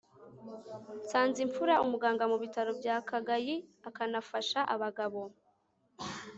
nsanzimfura, umuganga mu bitaro bya kagayi akanafasha abagabo